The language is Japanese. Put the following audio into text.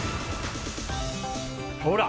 ほら！